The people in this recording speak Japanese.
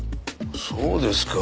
そうですか。